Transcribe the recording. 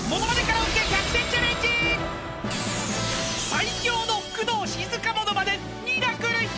［最強の工藤静香ものまねミラクルひかる］